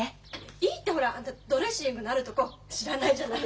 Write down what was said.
いいってほらあんたドレッシングのあるとこ知らないじゃない。